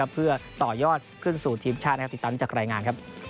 เพื่อต่อยอดขึ้นสู่ทีมชาติติดตามจากรายงานครับ